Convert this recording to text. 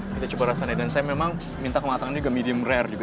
kita coba rasanya dan saya memang minta kematangannya ke medium rare juga